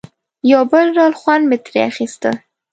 یو بل ډول خوند به مې ترې اخیسته.